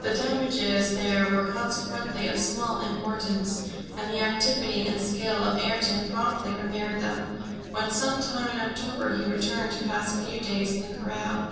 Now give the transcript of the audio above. The damages there were consequently of small importance, and the activity and skill of Ayrton promptly repaired them, when some time in October he returned to pass a few days in the corral.